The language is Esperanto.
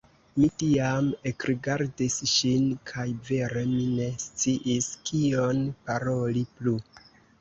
Mi tiam ekrigardis ŝin kaj vere mi ne sciis, kion paroli plu.